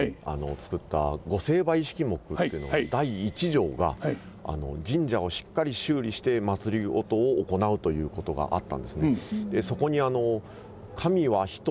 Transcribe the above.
作った御成敗式目っていうのの第一条が神社をしっかり修理してまつりごとを行うということがあったんですね。